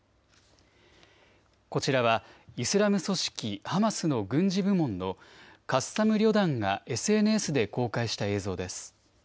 こちらはイスラム組織ハマスの軍事部門のカッサム旅団がＳＮＳで公開した映像です。